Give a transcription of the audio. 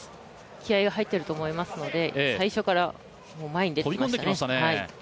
気合いが入っていると思いますので、最初から前に出てきましたね。